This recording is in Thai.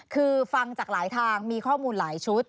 คือฟังจากหลายทางมีข้อมูลหลายชุด